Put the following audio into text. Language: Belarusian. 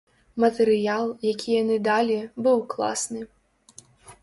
Матэрыял, які яны далі, быў класны.